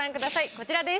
こちらです。